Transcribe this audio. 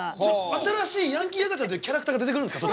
新しいヤンキー赤ちゃんっていうキャラクターが出てくるんですか？